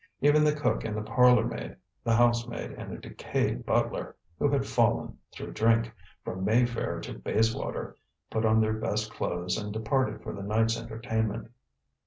Even the cook and the parlour maid, the housemaid and a decayed butler, who had fallen, through drink, from Mayfair to Bayswater, put on their best clothes and departed for the night's entertainment.